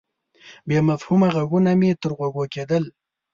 بې مفهومه ږغونه مې تر غوږ کېدل.